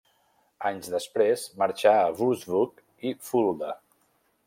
Anys després, marxà a Würzburg i Fulda.